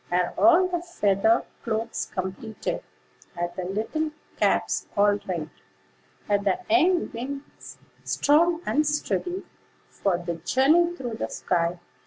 Are all the feather cloaks completed? Are the little caps all right? Are the young wings strong and steady For the journey through the sky?